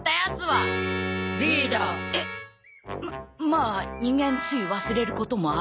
ままあ人間つい忘れることもある。